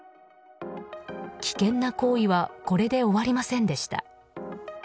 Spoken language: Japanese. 危険な行為はこれで終わりませんでした。